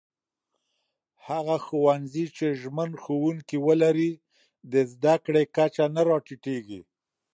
هغه ښوونځي چې ژمن ښوونکي ولري، د زده کړې کچه نه راټيټېږي.